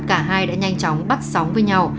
cả hai đã nhanh chóng bắt sóng với nhau